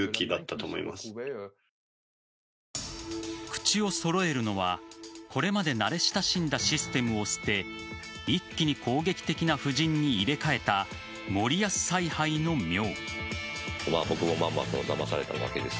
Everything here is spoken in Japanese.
口を揃えるのはこれまで慣れ親しんだシステムを捨て一気に攻撃的な布陣に入れ替えた森保采配の妙。